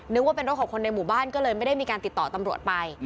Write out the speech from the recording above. นึกว่าเป็นรถของคนในหมู่บ้านก็เลยไม่ได้มีการติดต่อตำรวจไป